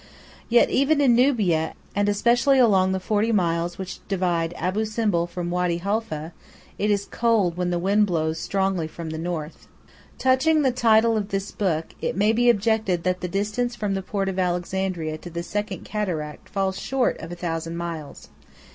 Yet even in Nubia, and especially along the forty miles which divide Abou Simbel from Wady Halfeh, it is cold when the wind blows strongly from the north.1 Touching the title of this book, it may be objected that the distance from the port of Alexandria to the Second Cataract falls short of a thousand miles.